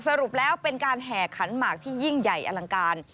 สรุปแล้วเป็นการแห่ขันหมากที่ยิ่งใหญ่อลังการ